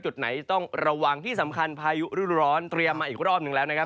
จุดไหนต้องระวังที่สำคัญพายุรุ่นร้อนเตรียมมาอีกรอบหนึ่งแล้วนะครับ